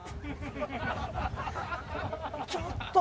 ちょっと！